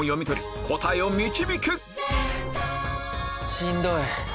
しんどい。